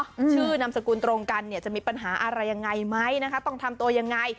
ชื่อนามสกุลตรงกันจะมีปัญหาอะไรอย่างไรไหมต้องทำตัวยังงงาย